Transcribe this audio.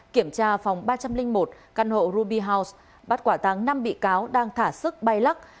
kiểm tra phòng ba trăm linh một căn hộ ruby house bắt quả tăng năm bị cáo đang thả sức bay lắc